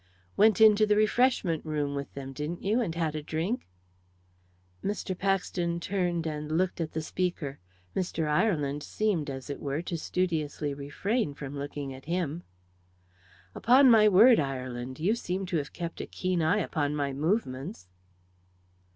"Went into the refreshment room with them, didn't you, and had a drink?" Mr. Paxton turned and looked at the speaker; Mr. Ireland seemed, as it were, to studiously refrain from looking at him. "Upon my word, Ireland, you seem to have kept a keen eye upon my movements."